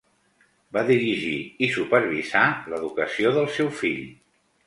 Va dirigir i supervisar l'educació del seu fill.